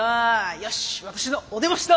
よし私のお出ましだ。